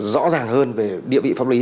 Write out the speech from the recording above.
rõ ràng hơn về địa vị pháp lý